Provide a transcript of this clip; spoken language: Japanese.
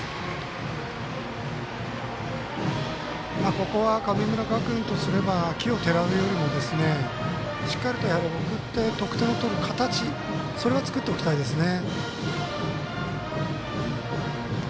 ここは神村学園とすれば奇をてらうよりもしっかりと送って得点を取る形それは作っておきたいですね。